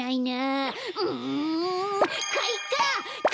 うんかいか！